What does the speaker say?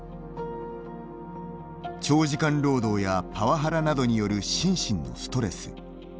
長時間労働やパワハラなどによる心身のストレス。